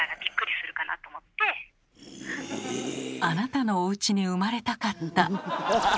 あなたのおうちに生まれたかった。